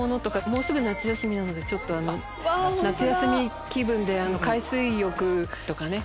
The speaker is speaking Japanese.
もうすぐ夏休みなので夏休み気分で海水浴とかね。